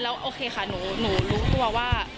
โอเคค่ะหนูรู้ตัวว่า